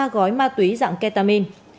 ba gói ma túy dạng kentamin